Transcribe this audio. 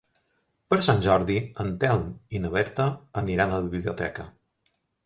Per Sant Jordi en Telm i na Berta aniran a la biblioteca.